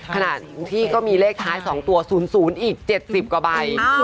ขณะที่ก็มีเลขท้าย๒ตัว๐๐อีก๗๐กว่าใบ